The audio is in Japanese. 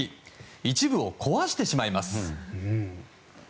一部を壊してしまいます。